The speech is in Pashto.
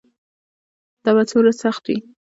دا به څومره سخت وي.